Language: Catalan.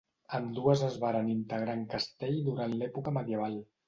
Ambdues es varen integrar en castell durant l'època medieval.